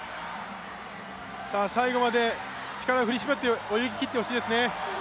最後まで力振り絞って泳ぎきってほしいですね。